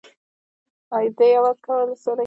ده یک ولسوالي له غزني ښار څخه شل کیلو متره لري ده